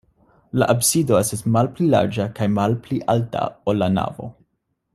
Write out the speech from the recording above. La absido estas malpli larĝa kaj malpli alta, ol la navo.